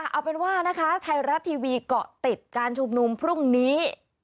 เอาเป็นว่านะคะไทยรัฐทีวีเกาะติดการชุมนุมพรุ่งนี้